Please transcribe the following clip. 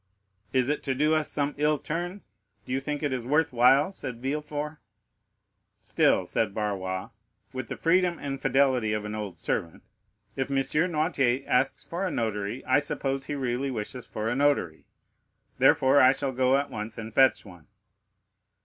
"Is it to do us some ill turn? Do you think it is worth while?" said Villefort. "Still," said Barrois, with the freedom and fidelity of an old servant, "if M. Noirtier asks for a notary, I suppose he really wishes for a notary; therefore I shall go at once and fetch one."